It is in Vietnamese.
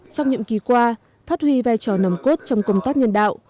trong nhiệm kỳ qua phát huy vai trò nầm cốt trong công tác nhân đạo